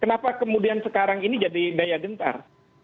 kenapa kemudian sekarang ini jadi daya gentar